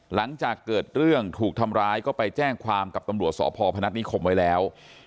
หลังจากเกิดเรื่องถูกทำร้ายก็ไปแจ้งความกับตำรวจสพพนัฐนิคมไว้แล้ว